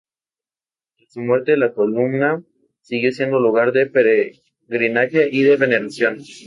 Tras su muerte la columna siguió siendo lugar de peregrinaje y de veneración.